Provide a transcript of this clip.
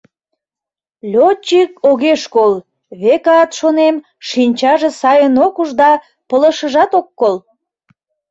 Лётчик огеш кол: векат, шонем, шинчаже сайын ок уж да пылышыжат ок кол...